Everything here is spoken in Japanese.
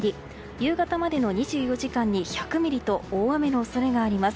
夕方までの２４時間に１００ミリと大雨の恐れがあります。